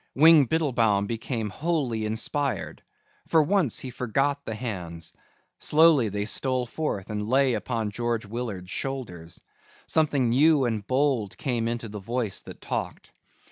Wing Biddlebaum became wholly inspired. For once he forgot the hands. Slowly they stole forth and lay upon George Willard's shoulders. Something new and bold came into the voice that talked.